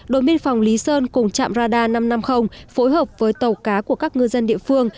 đội biên phòng lý sơn cùng trạm radar năm trăm năm mươi phối hợp với tàu cá của các ngư dân địa phương